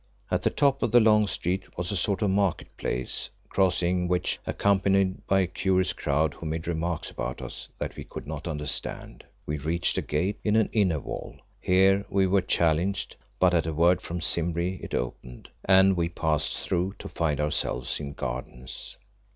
At the top of the long street was a sort of market place, crossing which, accompanied by a curious crowd who made remarks about us that we could not understand, we reached a gate in an inner wall. Here we were challenged, but at a word from Simbri it opened, and we passed through to find ourselves in gardens.